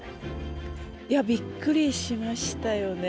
びっくりしましたよね。